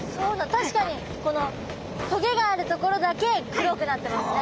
確かにこの棘があるところだけ黒くなってますね。